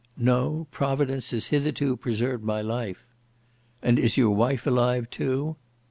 "No! Providence has hitherto preserved my life." "And is your wife alive too?"